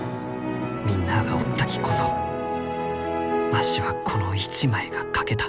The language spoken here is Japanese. みんなあがおったきこそわしはこの一枚が描けた。